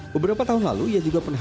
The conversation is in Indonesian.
beberapa tahun lalu ia juga pernah